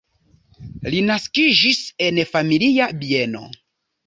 Ŝi naskiĝis en familia bieno.